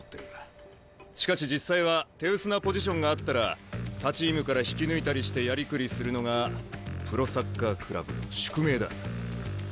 しかし実際は手薄なポジションがあったら他チームから引き抜いたりしてやりくりするのがプロサッカークラブの宿命だ。